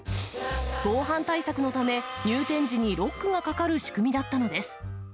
防犯対策のため、入店時にロックがかかる仕組みだったのです。